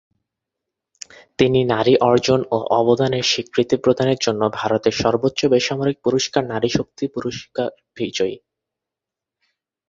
তিনি নারী অর্জন ও অবদানের স্বীকৃতি প্রদানের জন্য ভারতের সর্বোচ্চ বেসামরিক পুরস্কার নারী শক্তি পুরস্কার বিজয়ী।